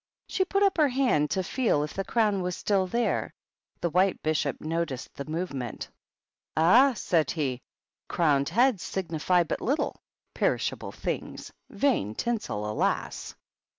She put up her hand to feel if the crown was still there ; the White Bishop noticed the movement. "Ah!" said he, "crowned heads signify but little! Perishable things ! Vain tinsel, alas